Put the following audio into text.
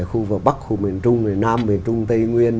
khu vực bắc khu miền trung miền nam miền trung tây nguyên